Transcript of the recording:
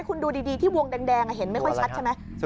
คุณดูดีที่วงแดงเห็นไม่ค่อยชัดใช่ไหม